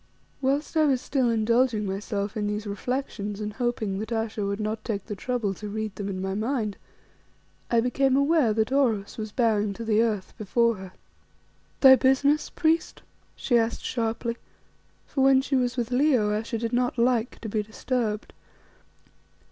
Whilst I was still indulging myself in these reflections and hoping that Ayesha would not take the trouble to read them in my mind, I became aware that Oros was bowing to the earth before her. "Thy business, priest?" she asked sharply; for when she was with Leo Ayesha did not like to be disturbed.